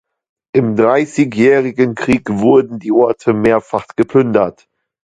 Im Dreißigjährigen Krieg wurden die Orte mehrfach geplündert.